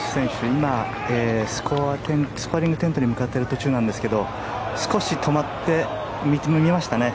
今、スコアリングテントに向かっている途中なんですが少し止まって、見ましたね。